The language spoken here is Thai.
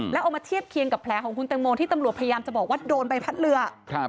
แล้วเอามาเทียบเคียงกับแผลของคุณแตงโมที่ตำรวจพยายามจะบอกว่าโดนใบพัดเรือ